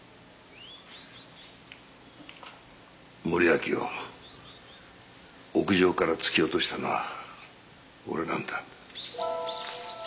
森脇を屋上から突き落としたのは俺なんだ。